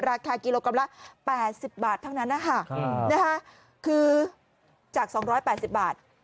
ราคากิโลกรัมละแปดสิบบาทเท่านั้นนะฮะอืมนะฮะคือจากสองร้อยแปดสิบบาท